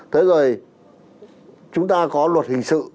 thế rồi chúng ta có luật hình sự